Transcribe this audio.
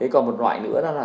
còn một loại nữa là do